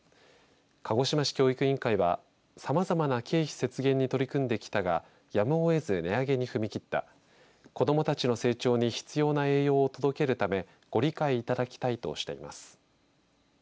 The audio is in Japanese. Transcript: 鹿児島市教育委員会はさまざまな経費節減に取り組んできたがやむをえず値上げに踏み切った子どもたちの成長に必要な栄養を届けるためご理解いただきたいとしています。